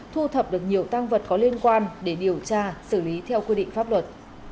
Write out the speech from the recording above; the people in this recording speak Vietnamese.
thu thập được nhiều tăng vật có liên quan để điều tra xử lý theo quy định pháp luật